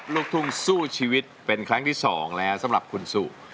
ลูกทุ่งสู้ชีวิตเป็นครั้งที่๒แล้วสำหรับคุณสุ